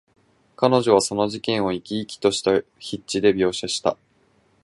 彼女はその事件を、生き生きとした筆致で描写した。